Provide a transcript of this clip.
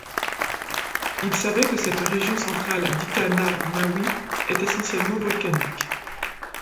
Ils savaient que cette région centrale d’Ika-Na-Maoui est essentiellement volcanique.